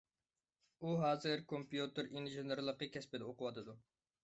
ئۇ ھازىر كومپيۇتېر ئىنژېنېرلىقى كەسپىدە ئوقۇۋاتىدۇ.